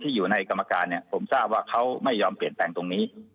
อยู่ในกรรมการเนี่ยผมทราบว่าเขาไม่ยอมเปลี่ยนแปลงตรงนี้